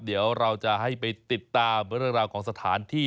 เดี๋ยวเราจะให้ไปติดตามเรื่องราวของสถานที่